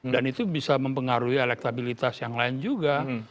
dan itu bisa mempengaruhi elektabilitas yang lain juga